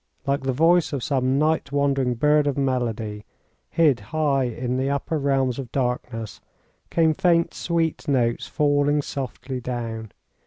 Like the voice of some night wandering bird of melody, hid high in the upper realms of darkness, came faint sweet notes falling softly down.